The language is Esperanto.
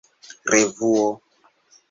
revuo